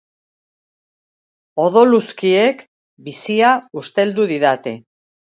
Odoluzkiek bizia usteldu didate.